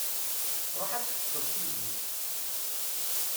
Ruḥ ad tekseḍ tizit.